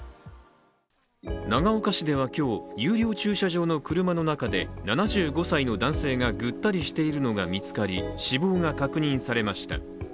長岡市では今日、有料駐車場の車の中で７５歳の男性がぐったりしているのが見つかり死亡が確認されました。